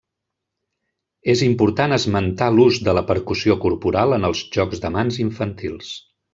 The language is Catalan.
És important esmentar l'ús de la percussió corporal en els jocs de mans infantils.